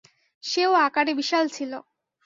সে-ও আকারে বিশাল ছিল।